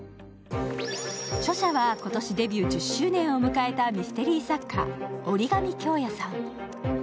著者は今年デビュー１０周年を迎えたミステリー作家、織守きょうやさん。